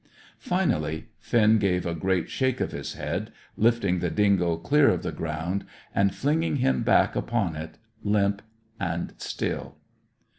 Finally, Finn gave a great shake of his head, lifting the dingo clear of the ground, and flinging him back upon it, limp and still.